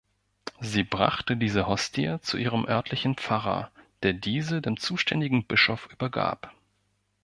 Sie brachte diese Hostie zu ihrem örtlichen Pfarrer, der diese dem zuständigen Bischof übergab.